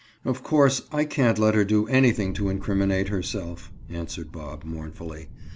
"Of course I can't let her do anything to incriminate herself," answered Bob mournfully.